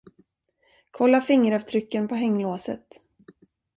Kolla fingeravtrycken på hänglåset.